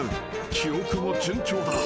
［記憶も順調だ］